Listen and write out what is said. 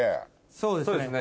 そうですね。